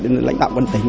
đến lãnh đạo quân tỉnh